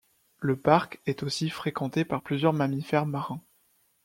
Le parc est aussi fréquenté par plusieurs mammifères marins.